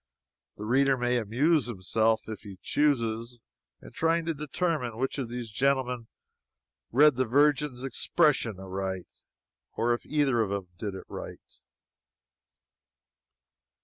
The reader may amuse himself, if he chooses, in trying to determine which of these gentlemen read the Virgin's "expression" aright, or if either of them did it.